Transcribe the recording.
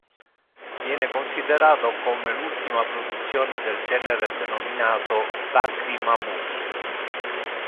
Viene considerato come ultima produzione del genere denominato "lacrima-movie".